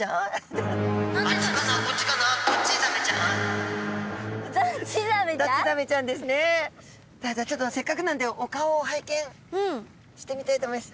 さあじゃあちょっとせっかくなんでお顔を拝見してみたいと思います。